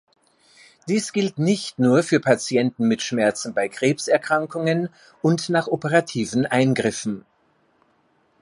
Dies gilt nicht nur für Patienten mit Schmerzen bei Krebserkrankungen und nach operativen Eingriffen.